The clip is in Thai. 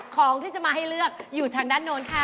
ของที่จะมาให้เลือกอยู่ทางด้านโน้นค่ะ